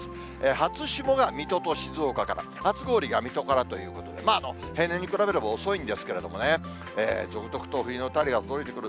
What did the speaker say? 初霜が水戸と静岡から、初氷が水戸からということで、まあ、平年に比べれば遅いんですけれどもね、続々と冬の便りが届いてくる。